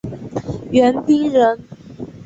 袁彬人。